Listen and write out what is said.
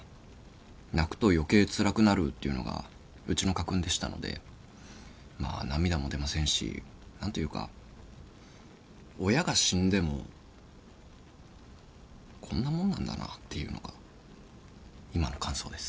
泣くと余計つらくなる」っていうのがうちの家訓でしたのでまあ涙も出ませんし何というか親が死んでもこんなもんなんだなっていうのが今の感想です。